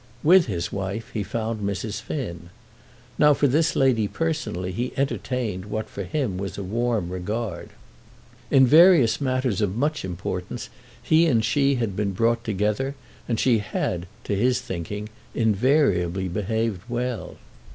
With his wife he found Mrs. Finn. Now for this lady personally he entertained what for him was a warm regard. In various matters of much importance he and she had been brought together, and she had, to his thinking, invariably behaved well.